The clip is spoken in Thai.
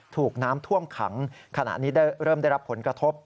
ถูกน้ำท่วมขังขณะนี้ได้เริ่มได้รับผลกระทบ